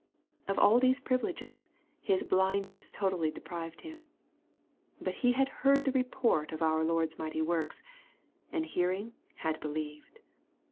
Of all these privileges, his blindness totally de prived him. But he had heard the report of our Lord's mighty works, and hearing had believed.